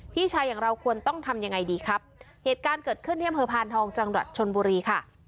พี่ชายอย่างเราควรต้องทำยังไงดีครับเหตุการณ์เกิดขึ้นที่อำเภอพานทองจังหวัดชนบุรีค่ะ